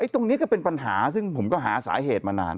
ตรงนี้ก็เป็นปัญหาซึ่งผมก็หาสาเหตุมานาน